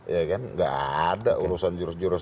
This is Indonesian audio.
ya kan nggak ada urusan jurus jurus